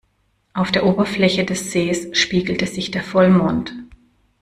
Auf der Oberfläche des Sees spiegelt sich der Vollmond.